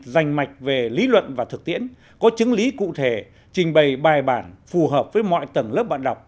dành mạch về lý luận và thực tiễn có chứng lý cụ thể trình bày bài bản phù hợp với mọi tầng lớp bạn đọc